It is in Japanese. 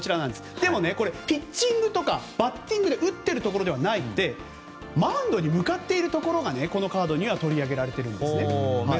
でもこちらピッチングとかバッティングで打っているところではなくてマウンドに向かっているところがこのカードには取り上げられているんです。